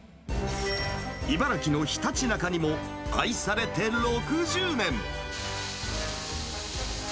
茨城のひたちなかにも、愛されて６０年。